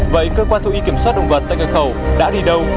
vậy cơ quan thú y kiểm soát động vật tại cửa khẩu đã đi đâu